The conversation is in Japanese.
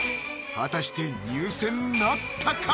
果たして入選なったか？